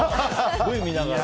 Ｖ見ながら。